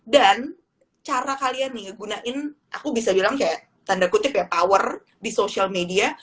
dan cara kalian nih gunain aku bisa bilang kayak tanda kutip ya power di social media